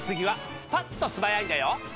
スパっと素早いんだよ！